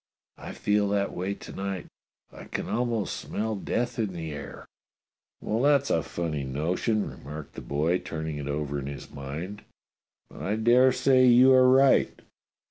I feel that way to night. I can almost smell death in the air." "Well, that's a funny notion," remarked the boy. A CERTAIN TREE 237 turning it over in his mind, "but I dare say you are right.